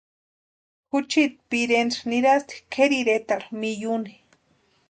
Juchiti pirentsï nirasti kʼeri iretarhu miyuni.